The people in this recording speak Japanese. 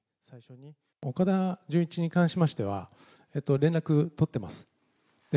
岡田准一に関しましては、連絡取ってます。